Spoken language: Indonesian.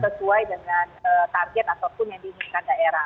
sesuai dengan target ataupun yang diinginkan daerah